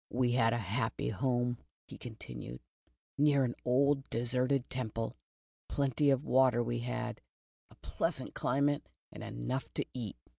"We had a happy home," he continued, "near an old deserted temple. Plenty of water we had, a pleasant climate and enough to eat.